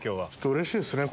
うれしいですね